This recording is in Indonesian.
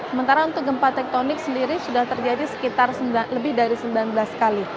sementara untuk gempa tektonik sendiri sudah terjadi lebih dari sembilan belas kali